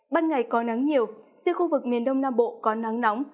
ban ngày có nắng nhiều riêng khu vực miền đông nam bộ có nắng nóng